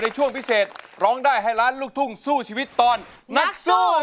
ตัวช่วยหลังแผ่นป้ายได้แก่โทหาคนรู้จักได้ฟังเพลงต้นฉบับ